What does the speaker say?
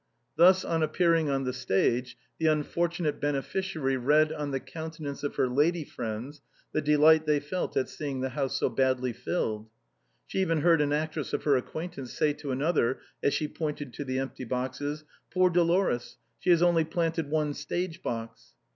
Thus on appearing on the stage, the unfortunate héné 214 THE BOHEMIANS OF THE LATIN QUARTER. ficiaire read on the countenances of her lady friends, the delight they felt at seeing the house so poorly filled. She even heard an actress of her acquaintance say to another, as she pointed to tlie empty boxes :" Poor Dolores, she has only planted one stage box."